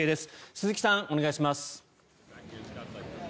鈴木さん、お願いします。